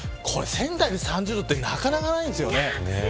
仙台で３０度ってなかなかないですよね。